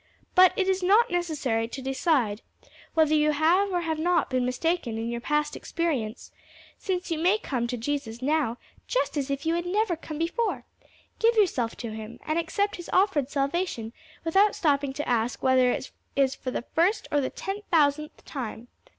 But it is not necessary to decide whether you have or have not been mistaken in your past experience, since you may come to Jesus now just as if you had never come before: give yourself to him and accept his offered salvation without stopping to ask whether it is for the first or the ten thousandth time.